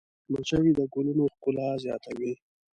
مچمچۍ د ګلونو ښکلا زیاتوي